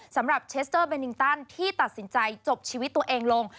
สำหรับเชสเตอร์เบนิงตันที่ตัดสินใจจบชีวิตตัวเองลง